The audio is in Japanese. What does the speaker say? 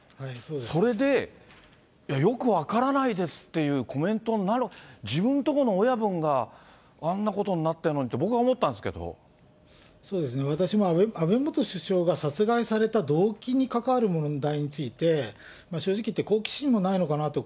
それでよく分からないですっていうコメントになる、自分とこの親分があんなことになってるのにって僕は思ったんですそうですね、私も安倍元首相が殺害された動機に関わる問題について、正直言って、好奇心もないのかなと。